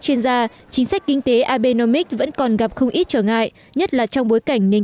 chuyên gia chính sách kinh tế abnomics vẫn còn gặp không ít trở ngại nhất là trong bối cảnh nền